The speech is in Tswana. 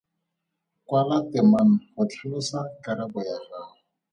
Kwala temana go tlhalosa karabo ya gago.